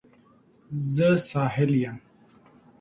زه ساحل یم